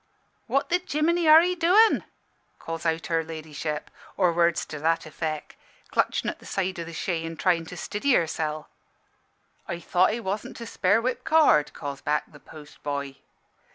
"'What the jiminy are 'ee doin?' calls out her ladyship or words to that effec' clutchin' at the side o' the shay, an' tryin' to stiddy hersel'. "'I thought I wasn' to spare whip cord,' calls back the post boy.